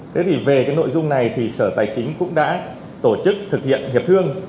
thế thì về cái nội dung này thì sở tài chính cũng đã tổ chức thực hiện hiệp thương